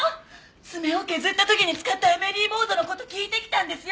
爪を削った時に使ったエメリーボードの事聞いてきたんですよ